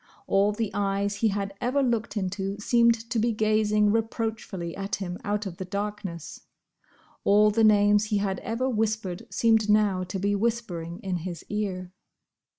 All the eyes he had ever looked into seemed to be gazing reproachfully at him out of the darkness; all the names he had ever whispered seemed now to be whispering in his ear.